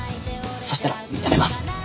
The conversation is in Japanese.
そしたらやめます。